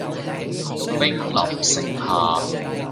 兵臨城下